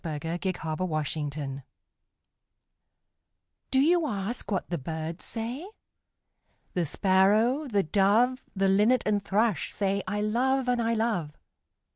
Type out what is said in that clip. ANSWER TO A CHILD'S QUESTION[386:1] Do you ask what the birds say? The Sparrow, the Dove, The Linnet and Thrush say, 'I love and I love!'